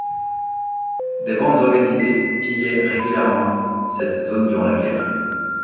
Des bandes organisées pillaient régulièrement cette zone durant la guerre.